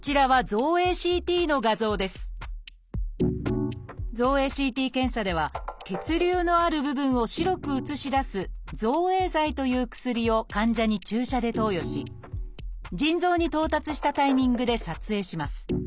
造影ＣＴ検査では血流のある部分を白く写し出す「造影剤」という薬を患者に注射で投与し腎臓に到達したタイミングで撮影します